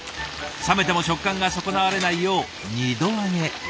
冷めても食感が損なわれないよう二度揚げ。